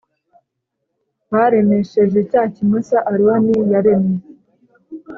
Baremesheje cya kimasa aroni yaremye